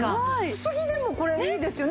薄着でもこれいいですよね